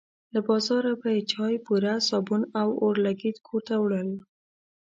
له بازاره به یې چای، بوره، صابون او اورلګیت کور ته وړل.